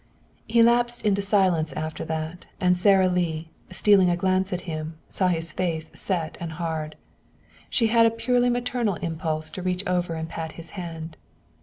He lapsed into silence after that, and Sara Lee, stealing a glance at him, saw his face set and hard. She had a purely maternal impulse to reach over and pat his hand.